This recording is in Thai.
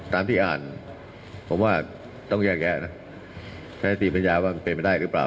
ตามที่อ่านผมว่าต้องแยกแยะนะใช้สติปัญญาว่ามันเป็นไปได้หรือเปล่า